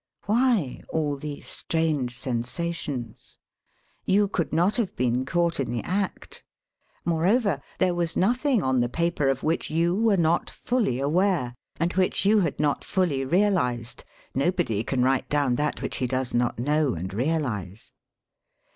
Why all these strange sensations? You c( not have been caught in the act. Moreover, th( was nothing on the paper of which you were not fully aware, and which you had not fully realised. Nobody can write down that which he does not know and realise.